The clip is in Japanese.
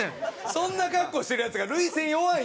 そんな格好してるヤツが涙腺弱いんかい！